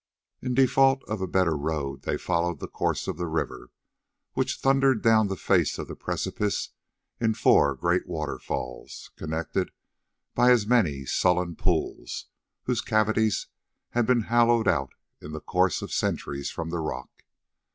In default of a better road they followed the course of the river, which thundered down the face of the precipice in four great waterfalls, connected by as many sullen pools, whose cavities had been hollowed out in the course of centuries from the rock.